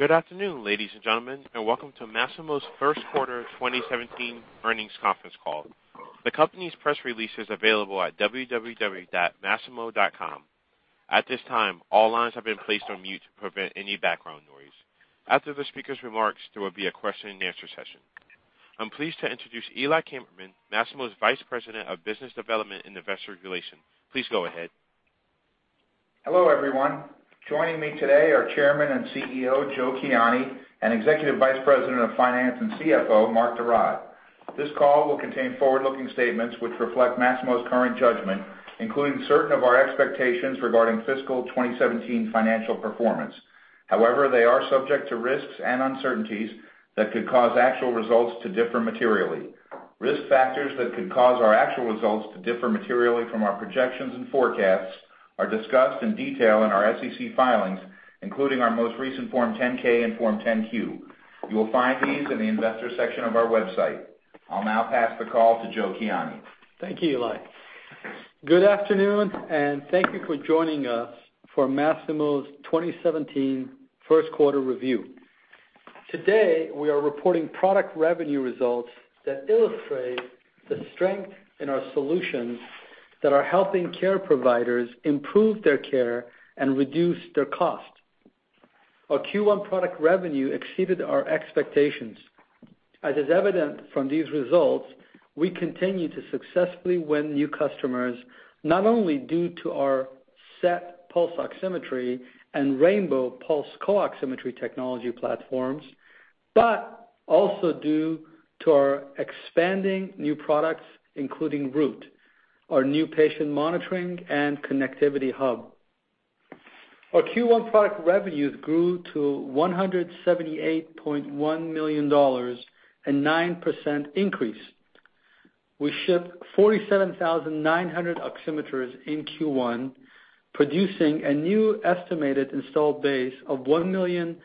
Good afternoon, ladies and gentlemen, and welcome to Masimo's first quarter 2017 earnings conference call. The company's press release is available at www.masimo.com. At this time, all lines have been placed on mute to prevent any background noise. After the speaker's remarks, there will be a question and answer session. I'm pleased to introduce Eli Kammerman, Masimo's Vice President of Business Development and Investor Relations. Please go ahead. Hello, everyone. Joining me today are Chairman and CEO, Joe Kiani, and Executive Vice President of Finance and CFO, Mark de Raad. This call will contain forward-looking statements which reflect Masimo's current judgment, including certain of our expectations regarding fiscal 2017 financial performance. However, they are subject to risks and uncertainties that could cause actual results to differ materially. Risk factors that could cause our actual results to differ materially from our projections and forecasts are discussed in detail in our SEC filings, including our most recent Form 10-K and Form 10-Q. You will find these in the investors section of our website. I'll now pass the call to Joe Kiani. Thank you, Eli. Good afternoon, and thank you for joining us for Masimo's 2017 first quarter review. Today, we are reporting product revenue results that illustrate the strength in our solutions that are helping care providers improve their care and reduce their cost. Our Q1 product revenue exceeded our expectations. As is evident from these results, we continue to successfully win new customers, not only due to our SET pulse oximetry and Rainbow pulse co-oximetry technology platforms, but also due to our expanding new products, including Root, our new patient monitoring and connectivity hub. Our Q1 product revenues grew to $178.1 million, a 9% increase. We shipped 47,900 oximeters in Q1, producing a new estimated installed base of 1,525,000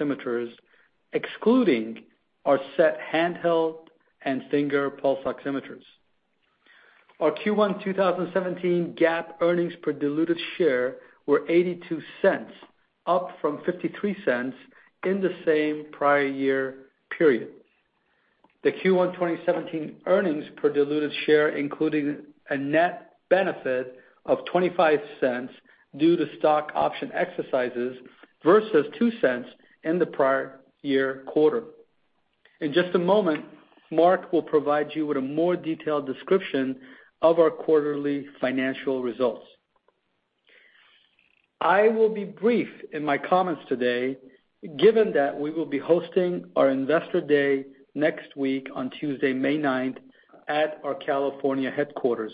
oximeters, excluding our SET handheld and finger pulse oximeters. Our Q1 2017 GAAP earnings per diluted share were $0.82, up from $0.53 in the same prior year period. The Q1 2017 earnings per diluted share including a net benefit of $0.25 due to stock option exercises versus $0.02 in the prior year quarter. In just a moment, Mark will provide you with a more detailed description of our quarterly financial results. I will be brief in my comments today, given that we will be hosting our Investor Day next week on Tuesday, May 9th at our California headquarters.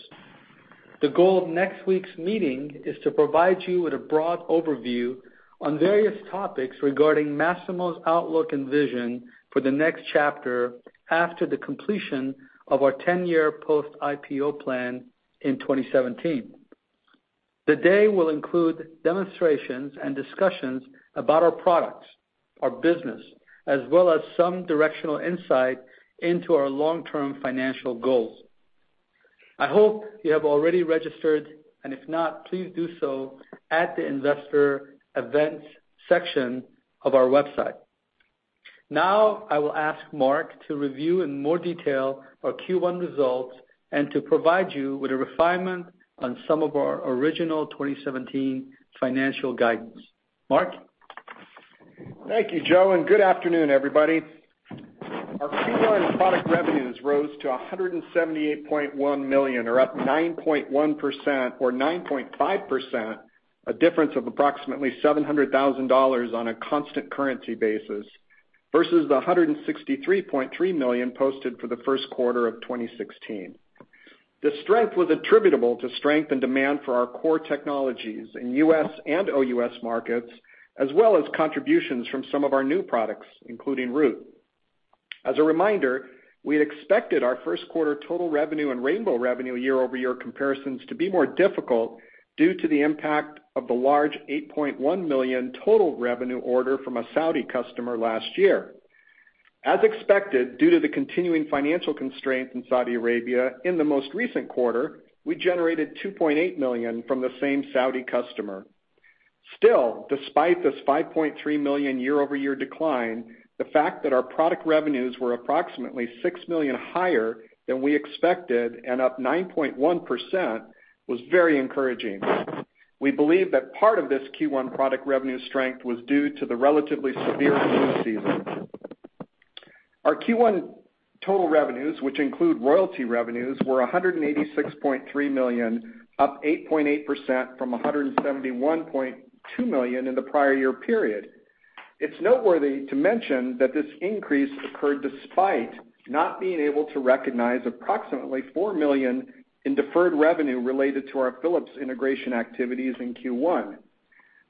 The goal of next week's meeting is to provide you with a broad overview on various topics regarding Masimo's outlook and vision for the next chapter after the completion of our 10-year post-IPO plan in 2017. The day will include demonstrations and discussions about our products, our business, as well as some directional insight into our long-term financial goals. I hope you have already registered, and if not, please do so at the investor events section of our website. Now, I will ask Mark to review in more detail our Q1 results and to provide you with a refinement on some of our original 2017 financial guidance. Mark? Thank you, Joe, and good afternoon, everybody. Our Q1 product revenues rose to $178.1 million or up 9.1% or 9.5%, a difference of approximately $700,000 on a constant currency basis, versus the $163.3 million posted for the first quarter of 2016. The strength was attributable to strength and demand for our core technologies in U.S. and OUS markets, as well as contributions from some of our new products, including Root. As a reminder, we had expected our first quarter total revenue and Rainbow revenue year-over-year comparisons to be more difficult due to the impact of the large $8.1 million total revenue order from a Saudi customer last year. As expected, due to the continuing financial constraint in Saudi Arabia in the most recent quarter, we generated $2.8 million from the same Saudi customer. Still, despite this $5.3 million year-over-year decline, the fact that our product revenues were approximately $6 million higher than we expected and up 9.1% was very encouraging. We believe that part of this Q1 product revenue strength was due to the relatively severe flu season. Our Q1 total revenues, which include royalty revenues, were $186.3 million, up 8.8% from $171.2 million in the prior year period. It's noteworthy to mention that this increase occurred despite not being able to recognize approximately $4 million in deferred revenue related to our Philips integration activities in Q1.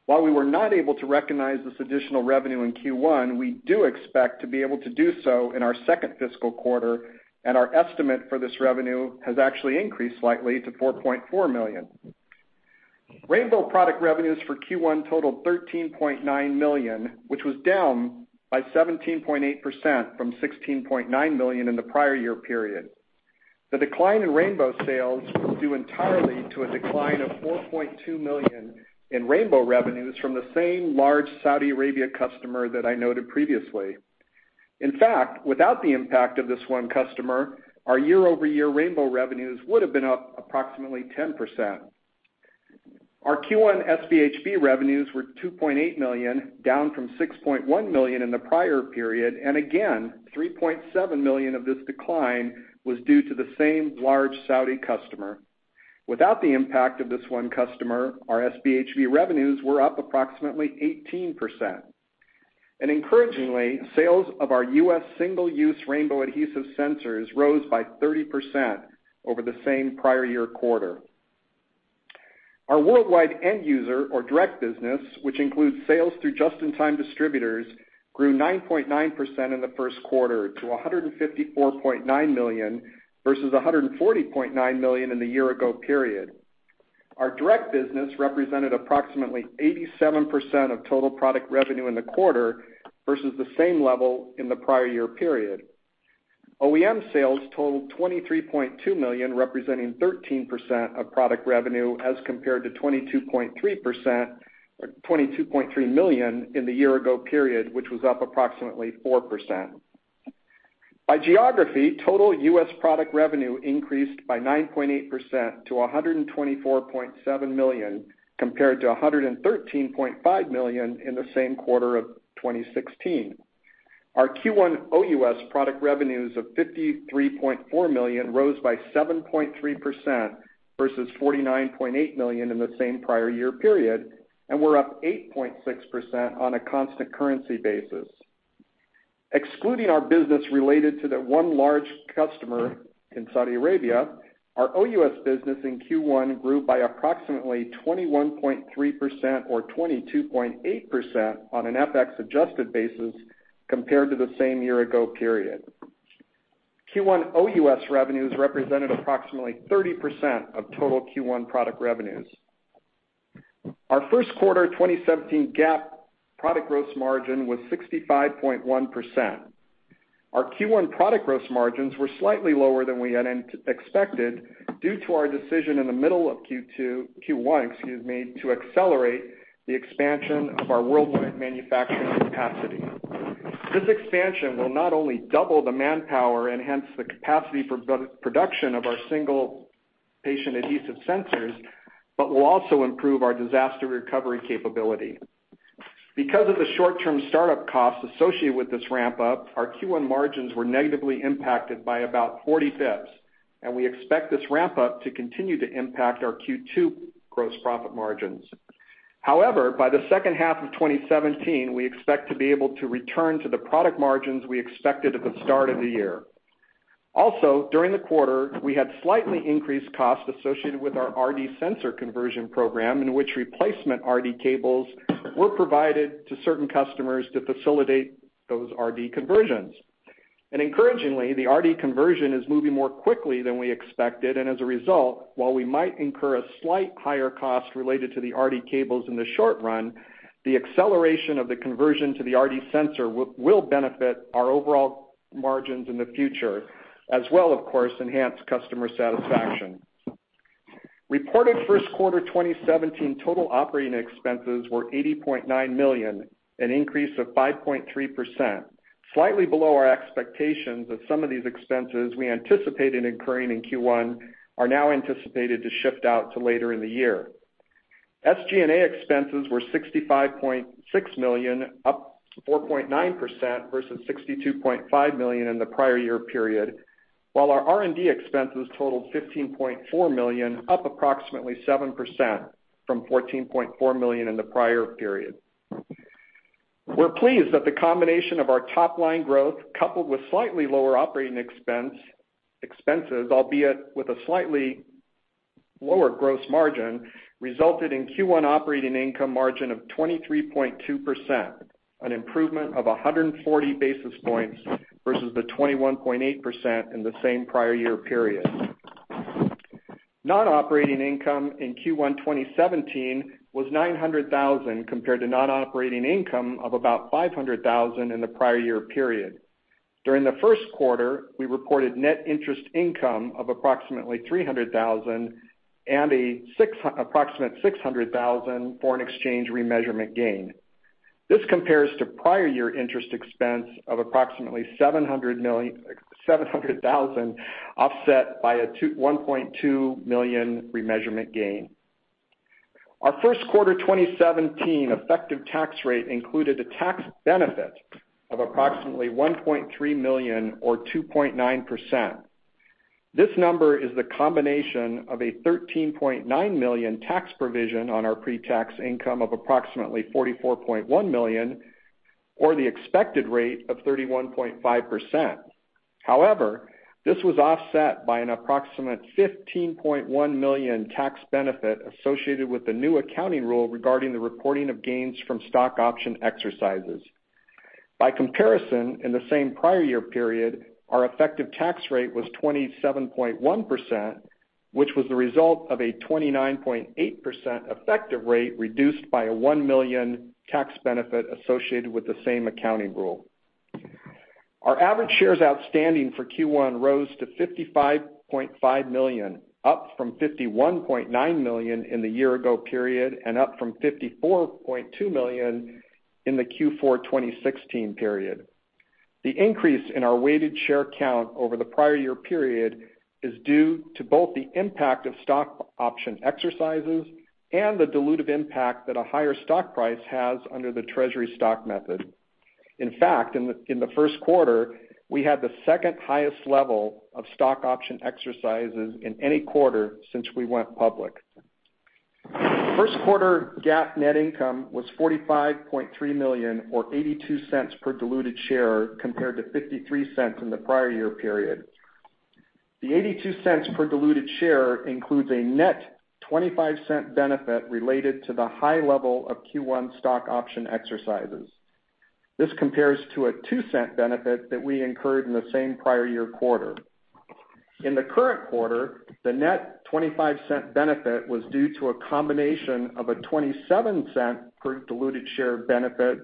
While we were not able to recognize this additional revenue in Q1, we do expect to be able to do so in our second fiscal quarter, and our estimate for this revenue has actually increased slightly to $4.4 million. Rainbow product revenues for Q1 totaled $13.9 million, which was down by 17.8% from $16.9 million in the prior year period. The decline in Rainbow sales was due entirely to a decline of $4.2 million in Rainbow revenues from the same large Saudi Arabia customer that I noted previously. In fact, without the impact of this one customer, our year-over-year Rainbow revenues would have been up approximately 10%. Our Q1 SpHb revenues were $2.8 million, down from $6.1 million in the prior period, again, $3.7 million of this decline was due to the same large Saudi customer. Without the impact of this one customer, our SpHb revenues were up approximately 18%. Encouragingly, sales of our U.S. single-use Rainbow adhesive sensors rose by 30% over the same prior year quarter. Our worldwide end user or direct business, which includes sales through just-in-time distributors, grew 9.9% in the first quarter to $154.9 million, versus $140.9 million in the year ago period. Our direct business represented approximately 87% of total product revenue in the quarter versus the same level in the prior year period. OEM sales totaled $23.2 million, representing 13% of product revenue, as compared to $22.3 million in the year ago period, which was up approximately 4%. By geography, total U.S. product revenue increased by 9.8% to $124.7 million, compared to $113.5 million in the same quarter of 2016. Our Q1 OUS product revenues of $53.4 million rose by 7.3%, versus $49.8 million in the same prior year period, and were up 8.6% on a constant currency basis. Excluding our business related to the one large customer in Saudi Arabia, our OUS business in Q1 grew by approximately 21.3% or 22.8% on an FX adjusted basis compared to the same year ago period. Q1 OUS revenues represented approximately 30% of total Q1 product revenues. Our first quarter 2017 GAAP product gross margin was 65.1%. Our Q1 product gross margins were slightly lower than we had expected due to our decision in the middle of Q2, Q1, excuse me, to accelerate the expansion of our worldwide manufacturing capacity. This expansion will not only double the manpower, enhance the capacity for production of our single patient adhesive sensors, but will also improve our disaster recovery capability. Because of the short-term start-up costs associated with this ramp-up, our Q1 margins were negatively impacted by about 40 bps, and we expect this ramp-up to continue to impact our Q2 gross profit margins. By the second half of 2017, we expect to be able to return to the product margins we expected at the start of the year. Also, during the quarter, we had slightly increased costs associated with our RD sensor conversion program, in which replacement RD cables were provided to certain customers to facilitate those RD conversions. Encouragingly, the RD conversion is moving more quickly than we expected, and as a result, while we might incur a slight higher cost related to the RD cables in the short run, the acceleration of the conversion to the RD sensor will benefit our overall margins in the future, as well, of course, enhance customer satisfaction. Reported first quarter 2017 total operating expenses were $80.9 million, an increase of 5.3%, slightly below our expectations of some of these expenses we anticipated incurring in Q1 are now anticipated to shift out to later in the year. SG&A expenses were $65.6 million, up 4.9%, versus $62.5 million in the prior year period, while our R&D expenses totaled $15.4 million, up approximately 7% from $14.4 million in the prior period. We are pleased that the combination of our top-line growth coupled with slightly lower operating expenses, albeit with a slightly lower gross margin, resulted in Q1 operating income margin of 23.2%, an improvement of 140 basis points versus the 21.8% in the same prior year period. Non-operating income in Q1 2017 was $900,000 compared to non-operating income of about $500,000 in the prior year period. During the first quarter, we reported net interest income of approximately $300,000 and approximate $600,000 foreign exchange remeasurement gain. This compares to prior year interest expense of approximately $700,000 offset by a $1.2 million remeasurement gain. Our first quarter 2017 effective tax rate included a tax benefit of approximately $1.3 million or 2.9%. This number is the combination of a $13.9 million tax provision on our pre-tax income of approximately $44.1 million, or the expected rate of 31.5%. This was offset by an approximate $15.1 million tax benefit associated with the new accounting rule regarding the reporting of gains from stock option exercises. By comparison, in the same prior year period, our effective tax rate was 27.1%. This was the result of a 29.8% effective rate, reduced by a $1 million tax benefit associated with the same accounting rule. Our average shares outstanding for Q1 rose to 55.5 million, up from 51.9 million in the year ago period, and up from 54.2 million in the Q4 2016 period. The increase in our weighted share count over the prior year period is due to both the impact of stock option exercises and the dilutive impact that a higher stock price has under the treasury stock method. In fact, in the first quarter, we had the second highest level of stock option exercises in any quarter since we went public. First quarter GAAP net income was $45.3 million, or $0.82 per diluted share, compared to $0.53 in the prior year period. The $0.82 per diluted share includes a net $0.25 benefit related to the high level of Q1 stock option exercises. This compares to a $0.02 benefit that we incurred in the same prior year quarter. In the current quarter, the net $0.25 benefit was due to a combination of a $0.27 per diluted share benefit,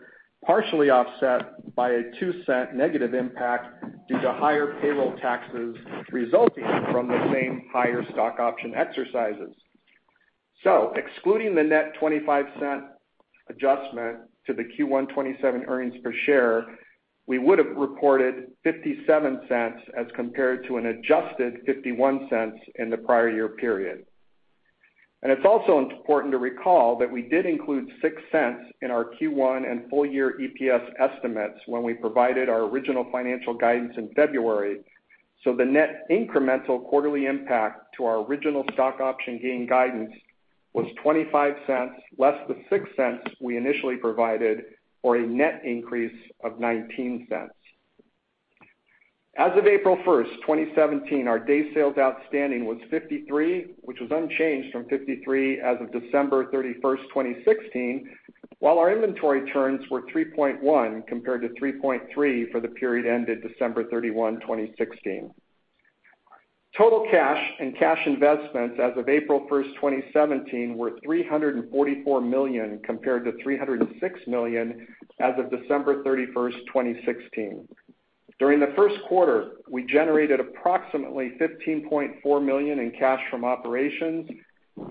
partially offset by a $0.02 negative impact due to higher payroll taxes resulting from the same higher stock option exercises. Excluding the net $0.25 adjustment to the Q1 2017 earnings per share, we would've reported $0.57 as compared to an adjusted $0.51 in the prior year period. It's also important to recall that we did include $0.06 in our Q1 and full year EPS estimates when we provided our original financial guidance in February. The net incremental quarterly impact to our original stock option gain guidance was $0.25 less the $0.06 we initially provided, or a net increase of $0.19. As of April 1st, 2017, our day sales outstanding was 53, which was unchanged from 53 as of December 31st, 2016, while our inventory turns were 3.1 compared to 3.3 for the period ended December 31, 2016. Total cash and cash investments as of April 1st, 2017 were $344 million, compared to $306 million as of December 31st, 2016. During the first quarter, we generated approximately $15.4 million in cash from operations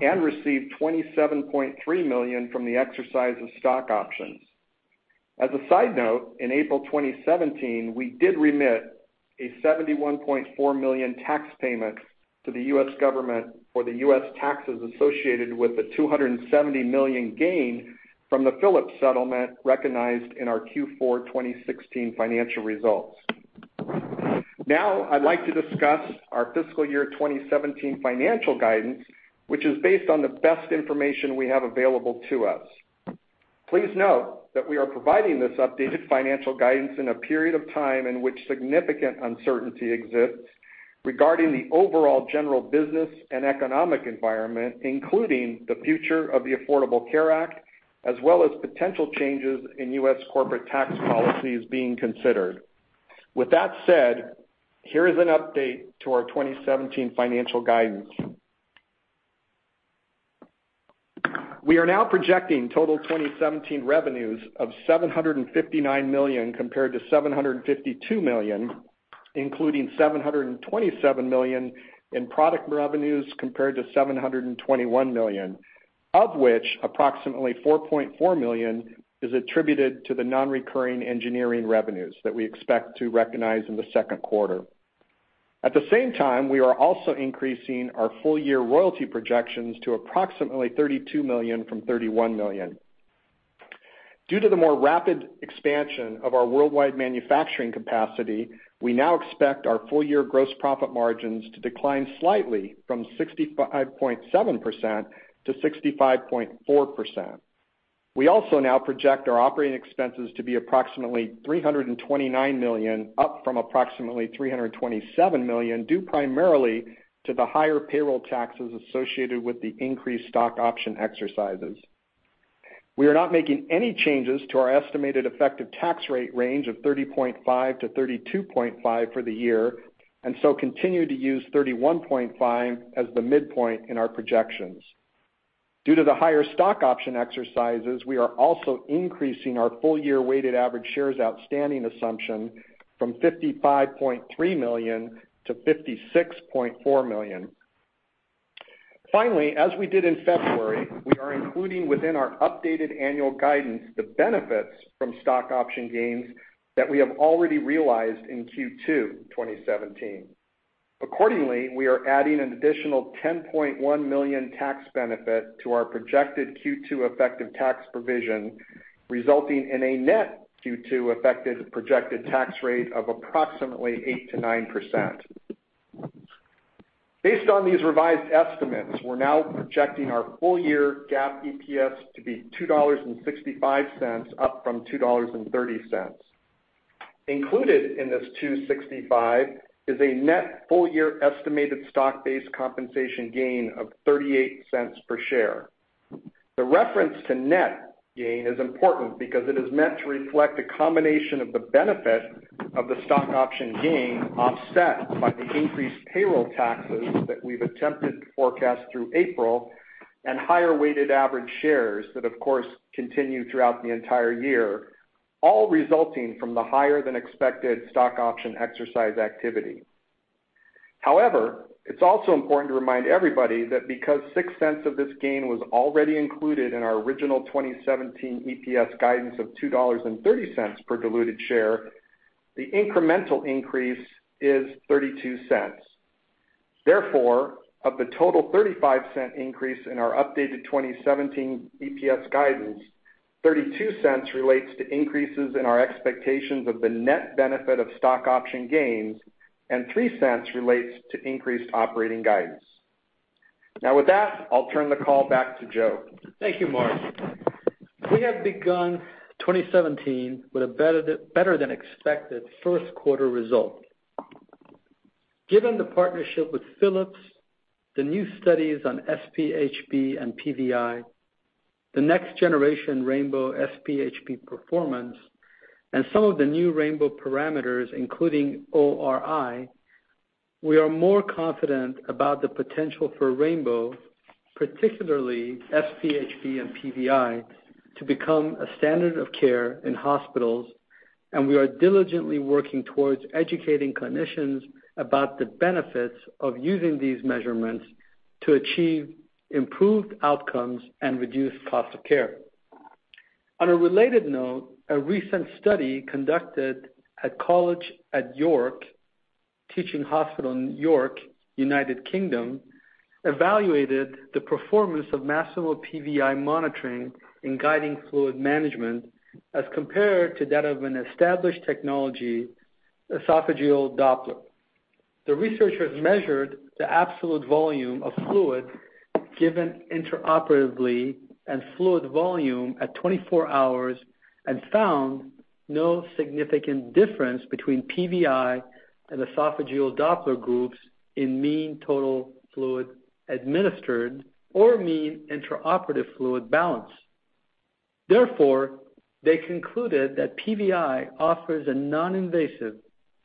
and received $27.3 million from the exercise of stock options. As a side note, in April 2017, we did remit a $71.4 million tax payment to the U.S. government for the U.S. taxes associated with the $270 million gain from the Philips settlement recognized in our Q4 2016 financial results. I'd like to discuss our fiscal year 2017 financial guidance, which is based on the best information we have available to us. Please note that we are providing this updated financial guidance in a period of time in which significant uncertainty exists regarding the overall general business and economic environment, including the future of the Affordable Care Act, as well as potential changes in U.S. corporate tax policies being considered. With that said, here is an update to our 2017 financial guidance. We are now projecting total 2017 revenues of $759 million compared to $752 million, including $727 million in product revenues compared to $721 million, of which approximately $4.4 million is attributed to the non-recurring engineering revenues that we expect to recognize in the second quarter. At the same time, we are also increasing our full year royalty projections to approximately $32 million from $31 million. Due to the more rapid expansion of our worldwide manufacturing capacity, we now expect our full year gross profit margins to decline slightly from 65.7%-65.4%. We also now project our operating expenses to be approximately $329 million, up from approximately $327 million, due primarily to the higher payroll taxes associated with the increased stock option exercises. We are not making any changes to our estimated effective tax rate range of 30.5%-32.5% for the year, continue to use 31.5% as the midpoint in our projections. Due to the higher stock option exercises, we are also increasing our full year weighted average shares outstanding assumption from 55.3 million to 56.4 million. Finally, as we did in February, we are including within our updated annual guidance the benefits from stock option gains that we have already realized in Q2 2017. Accordingly, we are adding an additional $10.1 million tax benefit to our projected Q2 effective tax provision, resulting in a net Q2 effective projected tax rate of approximately 8%-9%. Based on these revised estimates, we are now projecting our full year GAAP EPS to be $2.65, up from $2.30. Included in this $2.65 is a net full year estimated stock-based compensation gain of $0.38 per share. The reference to net gain is important because it is meant to reflect a combination of the benefit of the stock option gain offset by the increased payroll taxes that we've attempted to forecast through April and higher weighted average shares that of course, continue throughout the entire year, all resulting from the higher than expected stock option exercise activity. It's also important to remind everybody that because $0.06 of this gain was already included in our original 2017 EPS guidance of $2.30 per diluted share, the incremental increase is $0.32. Of the total $0.35 increase in our updated 2017 EPS guidance, $0.32 relates to increases in our expectations of the net benefit of stock option gains, and $0.03 relates to increased operating guidance. With that, I'll turn the call back to Joe. Thank you, Mark. We have begun 2017 with a better than expected first quarter result. Given the partnership with Philips, the new studies on SpHb and PVi, the next generation Rainbow SpHb performance, and some of the new Rainbow parameters, including ORi, we are more confident about the potential for Rainbow, particularly SpHb and PVi, to become a standard of care in hospitals. We are diligently working towards educating clinicians about the benefits of using these measurements to achieve improved outcomes and reduce cost of care. On a related note, a recent study conducted at College at York Teaching Hospital in York, United Kingdom, evaluated the performance of Masimo PVi monitoring in guiding fluid management as compared to that of an established technology, esophageal Doppler. The researchers measured the absolute volume of fluid given intraoperatively and fluid volume at 24 hours and found no significant difference between PVi and esophageal Doppler groups in mean total fluid administered or mean intraoperative fluid balance. Therefore, they concluded that PVi offers a non-invasive,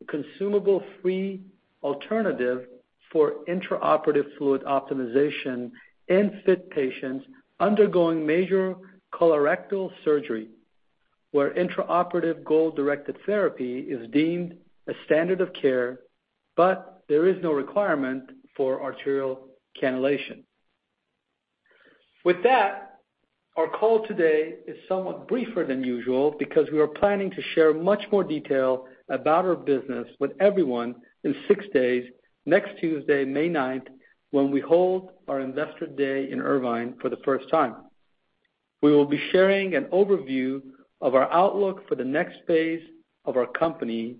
consumable free alternative for intraoperative fluid optimization in fit patients undergoing major colorectal surgery, where intraoperative goal-directed therapy is deemed a standard of care, but there is no requirement for arterial cannulation. With that, our call today is somewhat briefer than usual because we are planning to share much more detail about our business with everyone in six days, next Tuesday, May 9th, when we hold our Investor Day in Irvine for the first time. We will be sharing an overview of our outlook for the next phase of our company,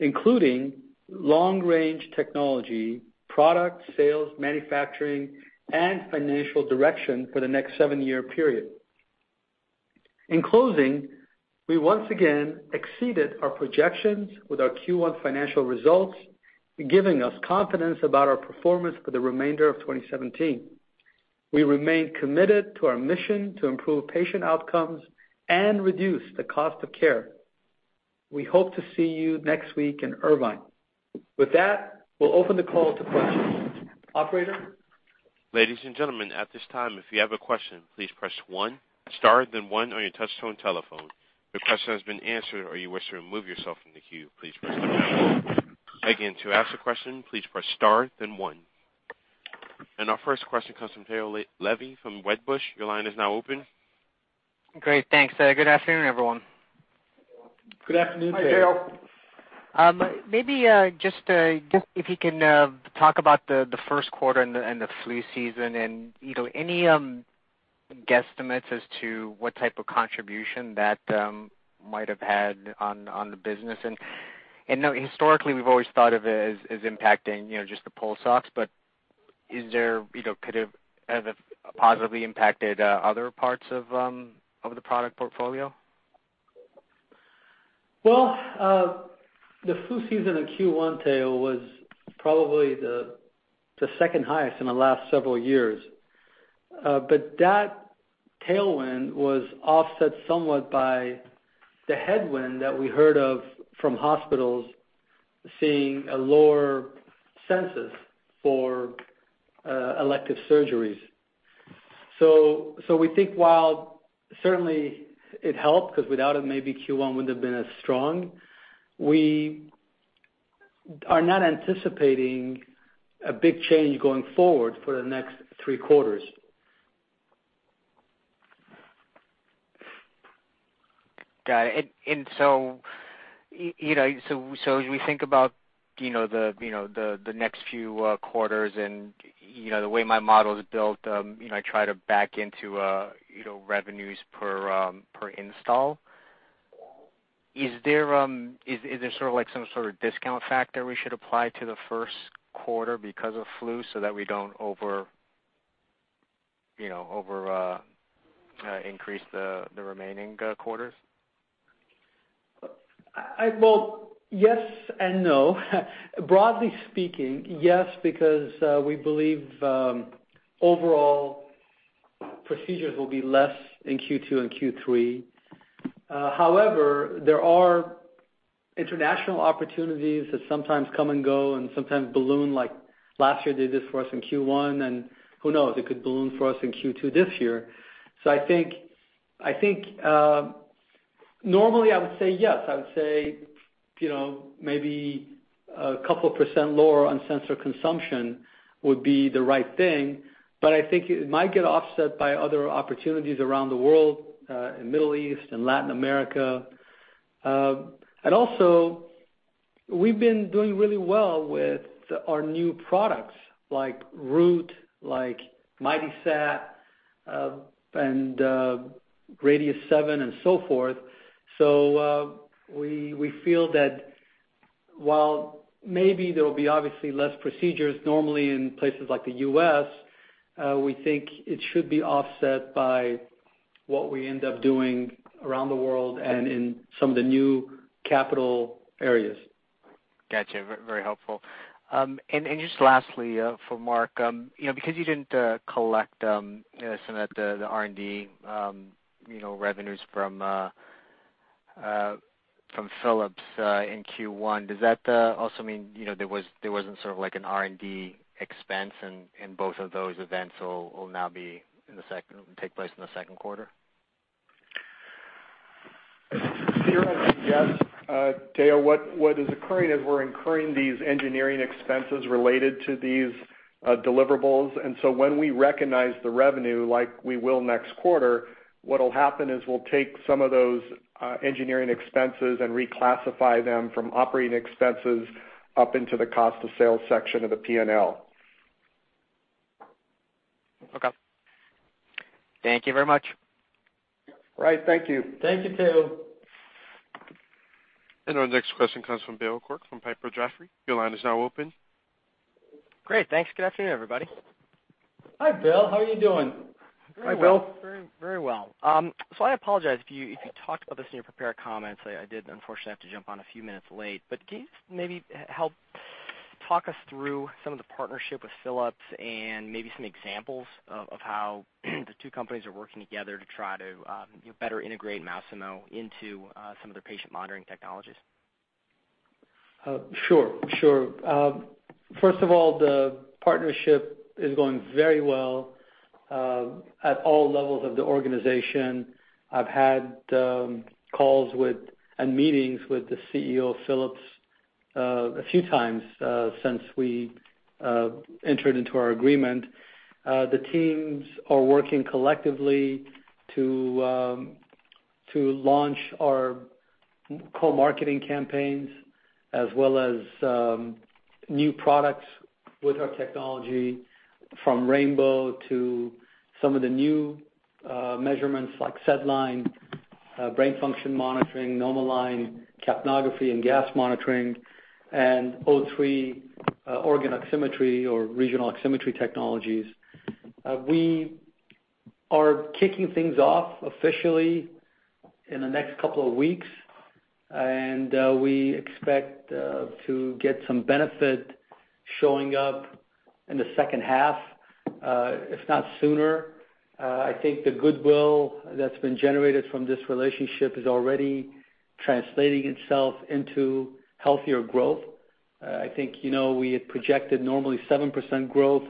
including long range technology, product sales, manufacturing, and financial direction for the next seven-year period. In closing, we once again exceeded our projections with our Q1 financial results, giving us confidence about our performance for the remainder of 2017. We remain committed to our mission to improve patient outcomes and reduce the cost of care. We hope to see you next week in Irvine. With that, we'll open the call to questions. Operator? Ladies and gentlemen, at this time, if you have a question, please press star then one on your touchtone telephone. If your question has been answered or you wish to remove yourself from the queue, please press star zero. Again, to ask a question, please press star then one. Our first question comes from Tao Levy from Wedbush. Your line is now open. Great. Thanks. Good afternoon, everyone. Good afternoon, Tao. Hi, Tao. Maybe just if you can talk about the first quarter and the flu season, and any guesstimates as to what type of contribution that might have had on the business. Historically, we've always thought of it as impacting just the pulse ox, but could it have positively impacted other parts of the product portfolio? The flu season in Q1, Tao, was probably the second highest in the last several years. That tailwind was offset somewhat by the headwind that we heard of from hospitals seeing a lower census for elective surgeries. We think while certainly it helped because without it, maybe Q1 wouldn't have been as strong, we are not anticipating a big change going forward for the next three quarters. Got it. As we think about the next few quarters and the way my model is built, I try to back into revenues per install. Is there some sort of discount factor we should apply to the first quarter because of flu so that we don't over-increase the remaining quarters? Yes and no. Broadly speaking, yes, because we believe overall procedures will be less in Q2 and Q3. However, there are international opportunities that sometimes come and go and sometimes balloon like last year did this for us in Q1, and who knows? It could balloon for us in Q2 this year. I think, normally I would say yes. I would say, maybe a couple % lower on sensor consumption would be the right thing, but I think it might get offset by other opportunities around the world, in Middle East and Latin America. Also, we've been doing really well with our new products like Root, like MightySat, and Radius-7 and so forth. We feel that while maybe there'll be obviously less procedures normally in places like the U.S., we think it should be offset by what we end up doing around the world and in some of the new capital areas. Got you. Very helpful. Just lastly, for Mark, because you didn't collect some of the R&D revenues from Philips in Q1, does that also mean there wasn't sort of like an R&D expense and both of those events will now take place in the second quarter? Tao, I think yes. Tao, what is occurring is we're incurring these engineering expenses related to these deliverables. When we recognize the revenue like we will next quarter, what'll happen is we'll take some of those engineering expenses and reclassify them from operating expenses up into the cost of sales section of the P&L. Okay. Thank you very much. Right. Thank you. Thank you, Tao. Our next question comes from Bill Quirk from Piper Jaffray. Your line is now open. Great. Thanks. Good afternoon, everybody. Hi, Bill. How are you doing? Hi, Bill. Very well. I apologize if you talked about this in your prepared comments. I did unfortunately have to jump on a few minutes late. Can you maybe help talk us through some of the partnership with Philips and maybe some examples of how the two companies are working together to try to better integrate Masimo into some of their patient monitoring technologies? Sure. First of all, the partnership is going very well at all levels of the organization. I've had calls with and meetings with the CEO of Philips a few times since we entered into our agreement. The teams are working collectively to launch our co-marketing campaigns, as well as new products with our technology from Rainbow to some of the new measurements like SedLine, brain function monitoring, NomoLine, capnography and gas monitoring, and O3 organ oximetry or regional oximetry technologies. We are kicking things off officially in the next couple of weeks, and we expect to get some benefit showing up in the second half, if not sooner. I think the goodwill that's been generated from this relationship is already translating itself into healthier growth. I think we had projected normally 7% growth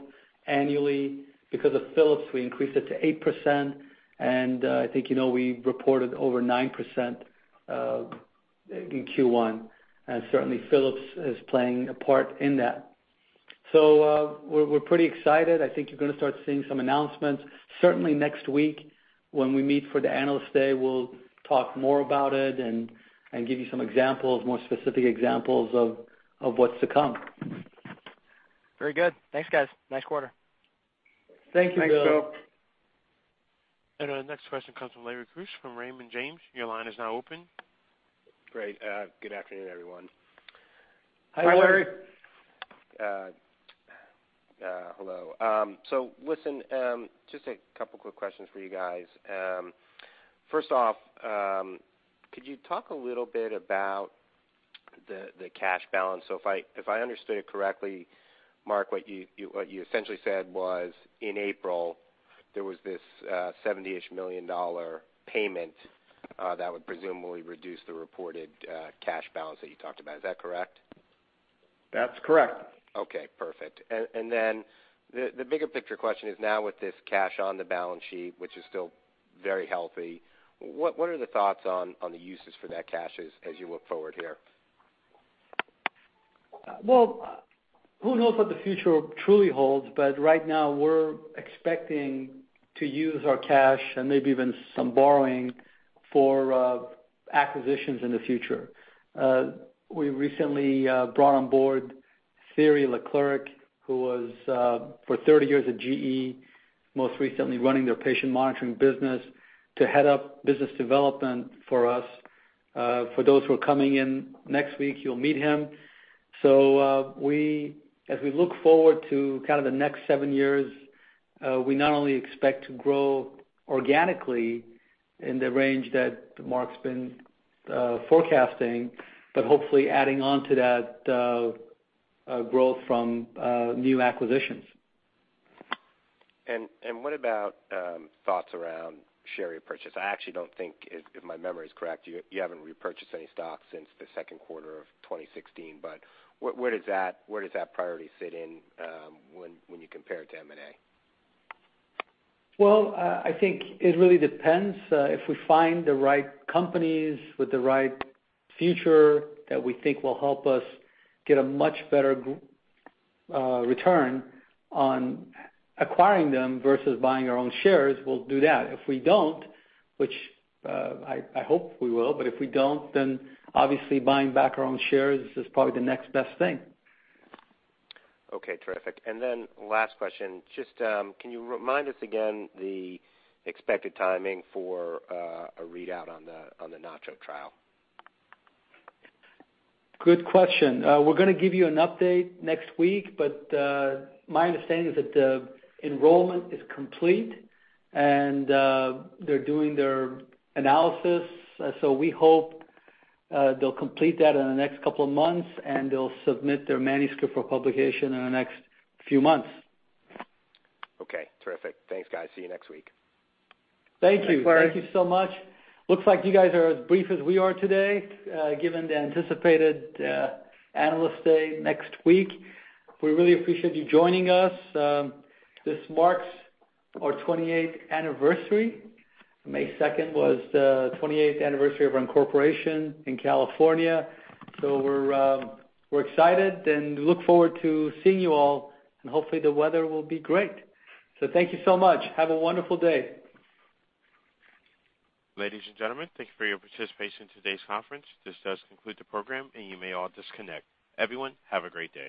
annually. Because of Philips, we increased it to 8%, and I think you know we reported over 9% in Q1, and certainly Philips is playing a part in that. We're pretty excited. I think you're going to start seeing some announcements. Certainly next week when we meet for the Analyst Day, we'll talk more about it and give you some more specific examples of what's to come. Very good. Thanks, guys. Nice quarter. Thank you, Bill. Thanks, Bill. Our next question comes from Lawrence Keusch from Raymond James. Your line is now open. Great. Good afternoon, everyone. Hi, Larry. Hi, Larry. Hello. Listen, just a couple quick questions for you guys. First off, could you talk a little bit about the cash balance? If I understood it correctly, Mark, what you essentially said was in April, there was this $70-ish million payment, that would presumably reduce the reported cash balance that you talked about. Is that correct? That's correct. Okay, perfect. Then the bigger picture question is now with this cash on the balance sheet, which is still very healthy, what are the thoughts on the uses for that cash as you look forward here? Well, who knows what the future truly holds, but right now we're expecting to use our cash and maybe even some borrowing for acquisitions in the future. We recently brought on board Thierry Leclercq, who was for 30 years at GE, most recently running their patient monitoring business, to head up business development for us. For those who are coming in next week, you'll meet him. As we look forward to the next seven years, we not only expect to grow organically in the range that Mark's been forecasting, but hopefully adding on to that growth from new acquisitions. What about thoughts around share repurchase? I actually don't think, if my memory is correct, you haven't repurchased any stock since the second quarter of 2016. Where does that priority fit in when you compare it to M&A? Well, I think it really depends. If we find the right companies with the right future that we think will help us get a much better return on acquiring them versus buying our own shares, we'll do that. If we don't, which I hope we will, but if we don't, then obviously buying back our own shares is probably the next best thing. Okay, terrific. Last question, just can you remind us again the expected timing for a readout on the NACHO trial? Good question. We're going to give you an update next week. My understanding is that the enrollment is complete and they're doing their analysis. We hope they'll complete that in the next couple of months, and they'll submit their manuscript for publication in the next few months. Okay, terrific. Thanks, guys. See you next week. Thank you. Thank you so much. Looks like you guys are as brief as we are today, given the anticipated Analyst Day next week. We really appreciate you joining us. This marks our 28th anniversary. May 2nd was the 28th anniversary of our incorporation in California. We're excited and look forward to seeing you all, and hopefully the weather will be great. Thank you so much. Have a wonderful day. Ladies and gentlemen, thank you for your participation in today's conference. This does conclude the program, and you may all disconnect. Everyone, have a great day.